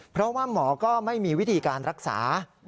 เพราะว่าหมอก็ไม่มีวิธีการรักษา